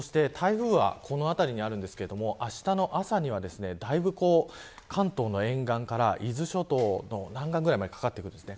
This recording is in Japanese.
そして台風はこの辺りにありますが、あしたの朝にはだいぶ関東の沿岸から伊豆諸島の南岸ぐらいまでかかってきます。